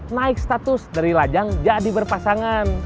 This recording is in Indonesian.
naik status dari lajang jadi berpasangan